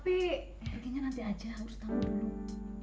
bikinnya nanti aja harus tamu dulu